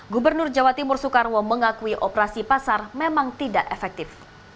gubernur jawa timur soekarwo mengakui operasi pasar memang tidak efektif